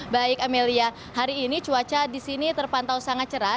baik amelia hari ini cuaca di sini terpantau sangat cerah